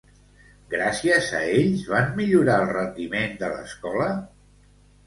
Gràcies a ells, van millorar el rendiment de l'escola?